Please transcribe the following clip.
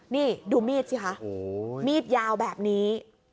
นี่ดูมีดสิคะมีดยาวแบบนี้